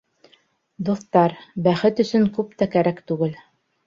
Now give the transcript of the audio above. Дуҫтар, бәхет өсөн күп кәрәк түгел.